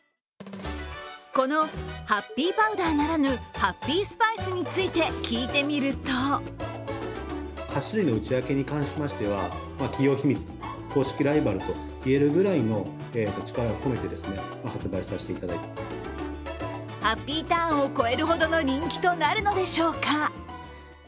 このハッピーパウダーならぬハッピースパイスについて聞いてみるとハッピーターンを超えるほどの人気となるのでしょうか。